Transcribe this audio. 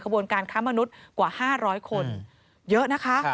บนการค้ามนุษย์กว่า๕๐๐คนเยอะนะคะ